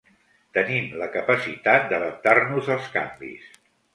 Tenim la capacitat d'adaptar-nos als canvis.